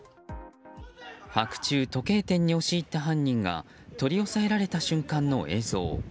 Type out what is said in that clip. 白昼時計店に押し入った犯人が取り押さえられた瞬間の映像。